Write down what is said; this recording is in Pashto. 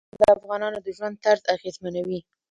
ښارونه د افغانانو د ژوند طرز اغېزمنوي.